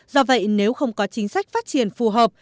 do vậy nếu không có chính sách phát triển phù hợp